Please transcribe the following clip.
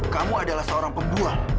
kamu adalah seorang pembuah